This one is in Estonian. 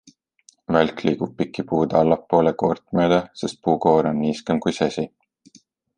Välk liigub piki puud allapoole koort mööda, sest puukoor on niiskem kui säsi.